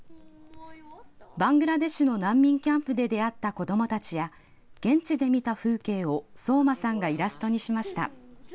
バングラデシュの難民キャンプで出会った子どもたちや現地で見た風景を聡真さんがイラストにしました。